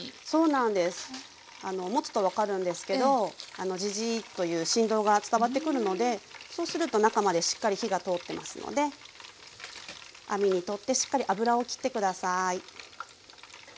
持つと分かるんですけどジジーッという振動が伝わってくるのでそうすると中までしっかり火が通ってますので網にとってしっかり油をきって下さい。